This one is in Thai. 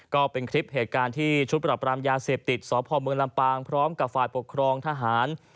ก็เป็นคลิปเหตุการณ์ที่ชุดปรับรามยาเสพติดสพเมืองลำปางพร้อมกับฝ่ายปกครองทหาร